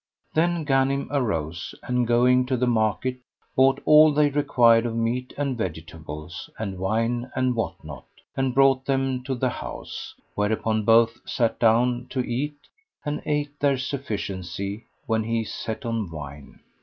[FN#108] Then Ghanim arose and going to the market, bought all they required of meat and vegetables and wine and what not, and brought them to the house; whereupon both sat down to eat and ate their sufficiency, when he set on wine.